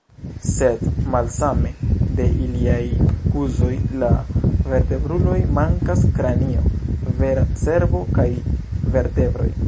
Sed malsame de iliaj kuzoj la vertebruloj, mankas kranio, vera cerbo, kaj vertebroj.